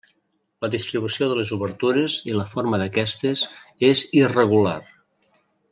La distribució de les obertures i la forma d'aquestes és irregular.